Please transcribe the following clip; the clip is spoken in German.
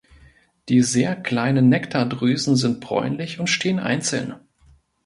Die sehr kleinen Nektardrüsen sind bräunlich und stehen einzeln.